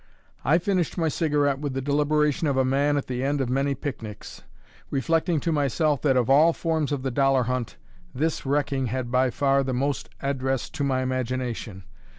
I finished my cigarette with the deliberation of a man at the end of many picnics; reflecting to myself that of all forms of the dollar hunt, this wrecking had by far the most address to my imagination.